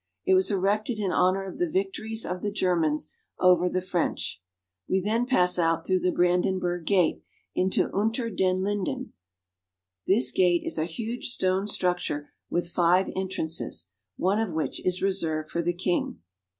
It was erected in honor of the victories of the Ger mans over the French. We then pass out through the Brandenburg Gate into Unter den Linden (oon'ter dan lin'den). This gate is a huge stone structure with five entrances, one of which is reserved for the king.